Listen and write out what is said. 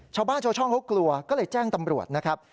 ชาวบ้านชาวช่องเขากลัวก็เลยแจ้งตำรวจนะครับ